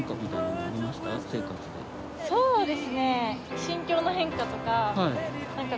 そうですね。